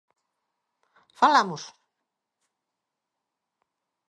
Falamos?